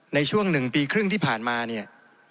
ในช่วง๑ปีครึ่งที่ผ่านมาเนี่ย